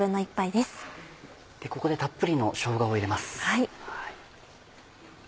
ここでたっぷりのしょうがを入れます。